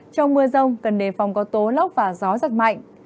trong mưa rông cần đề phòng có tố lốc và gió giật mạnh